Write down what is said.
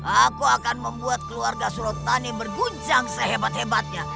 aku akan membuat keluarga surontani berguncang sehebat hebatnya